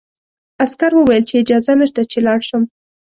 عسکر وویل چې اجازه نشته چې لاړ شم.